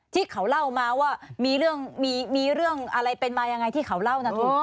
ที่เขาเล่ามาว่ามีเรื่องอะไรเป็นมายังไงที่เขาเล่านะทุกคน